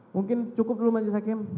mungkin cukup dulu masyarakat